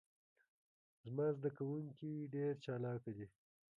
زما ذده کوونکي ډیر چالاکه دي.